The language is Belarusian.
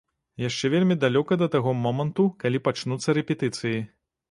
Яшчэ вельмі далёка да таго моманту, калі пачнуцца рэпетыцыі.